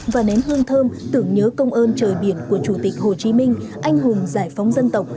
và nén hương thơm tưởng nhớ công ơn trời biển của chủ tịch hồ chí minh anh hùng giải phóng dân tộc